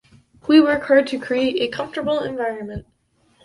We work hard to create a comfortable environment.